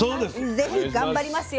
ぜひ頑張りますよ。